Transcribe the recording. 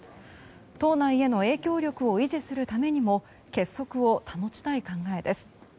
党内への影響力を維持するためにも結束を保ちたい考えです。